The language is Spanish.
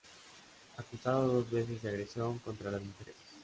Acusado dos veces de agresión contra las mujeres.